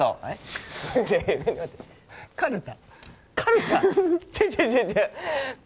かるた。